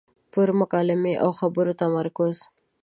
پر مکالمې او خبرو تمرکز.